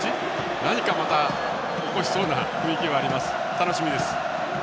何かまた起こしそうな雰囲気があります、楽しみです。